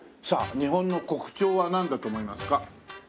さあ日本の国鳥はなんだと思いますか？